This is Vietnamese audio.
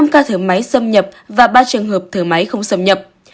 năm ca thở máy xâm nhập và ba trường hợp thở máy không xâm nhập